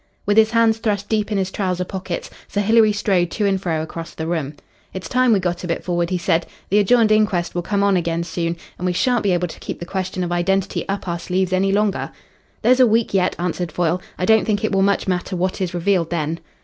With his hands thrust deep in his trousers pockets, Sir Hilary strode to and fro across the room. "It's time we got a bit forward," he said. "The adjourned inquest will come on again soon, and we shan't be able to keep the question of identity up our sleeves any longer." "There's a week yet," answered Foyle. "I don't think it will much matter what is revealed then."